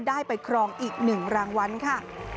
ได้ไปครองอีก๑รางวัลค่ะ